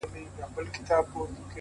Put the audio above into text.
موږ ته تر سهاره چپه خوله ناست وي-